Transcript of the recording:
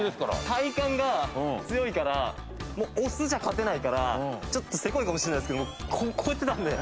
体幹が強いからもう押すじゃ勝てないからちょっとせこいかもしれないですけどこうやってたんで。